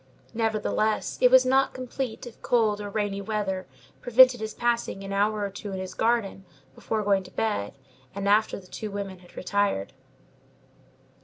Nevertheless, it was not complete if cold or rainy weather prevented his passing an hour or two in his garden before going to bed, and after the two women had retired.